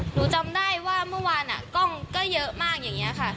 หนูจำได้ว่าเมื่อวานกล้องก็เยอะมากอย่างนี้ค่ะ